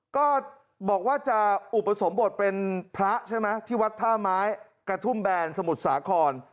ก็บอกว่าจะอุปสมบทเป็นพระใช่ไหมที่วัดท่าไม้กระทุ่มแบนสมุทรสาคร